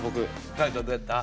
海人はどやった？